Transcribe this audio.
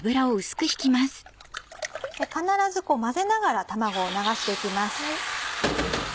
必ず混ぜながら卵を流して行きます。